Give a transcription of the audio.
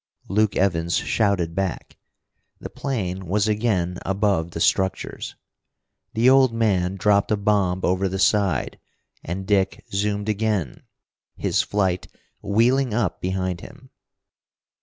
Luke Evans shouted back. The plane was again above the structures. The old man dropped a bomb over the side, and Dick zoomed again, his flight wheeling up behind him.